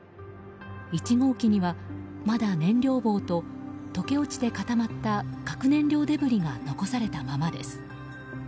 １号機には、まだ燃料棒と溶け落ちて固まった核燃料デブリが残されたままです。